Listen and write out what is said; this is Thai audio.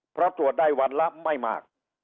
เพราะตรวจได้วันละไม่มาก